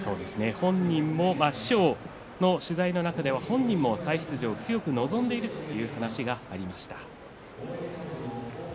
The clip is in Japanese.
本人にも師匠の取材の中では本人も再出場を強く望んでいるという話がありました。